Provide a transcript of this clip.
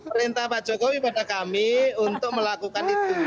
perintah pak jokowi pada kami untuk melakukan itu